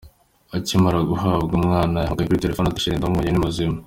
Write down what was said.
Akimara guhabwa umwana yahamagaye kuri telefoni ati “Cheri ndamubonye ni muzima !”.